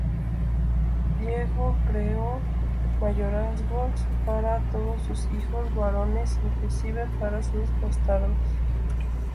Diego creó mayorazgos para todos sus hijos varones, inclusive para sus bastardos.